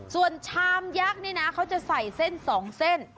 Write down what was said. ส่วนชามยักษ์นี่นะเขาจะใส่เส้น๒เส้น